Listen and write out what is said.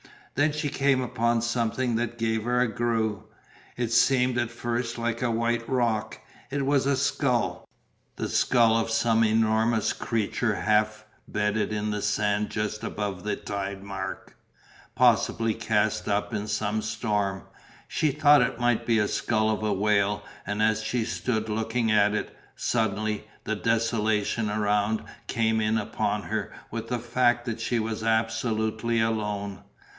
Then she came upon something that gave her a grue, it seemed at first like a white rock, it was a skull. The skull of some enormous creature half bedded in the sand just above the tide mark, possibly cast up in some storm. She thought it might be the skull of a whale and as she stood looking at it, suddenly, the desolation around came in upon her with the fact that she was absolutely alone.